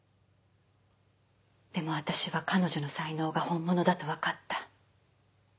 でも私は彼女の才能が本物だとわかった。